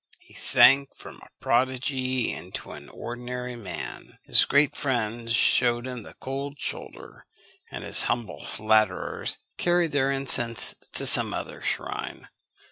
He sank from a prodigy into an ordinary man. His great friends shewed him the cold shoulder, and his humble flatterers carried their incense to some other shrine.